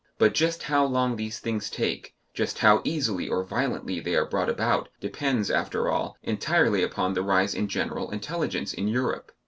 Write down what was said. But just how long these things take, just how easily or violently they are brought about, depends, after all, entirely upon the rise in general intelligence in Europe.